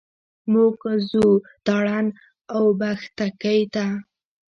موږ ځو تارڼ اوبښتکۍ ته.